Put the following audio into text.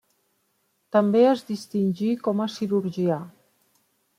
També es distingí com a cirurgià.